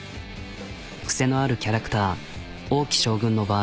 癖のあるキャラクター王騎将軍の場合。